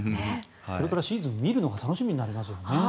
これからシーズン見るのが楽しみになりますね。